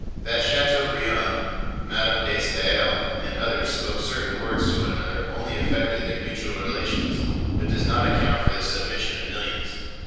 That Chateaubriand, Madame de Staël, and others spoke certain words to one another only affected their mutual relations but does not account for the submission of millions.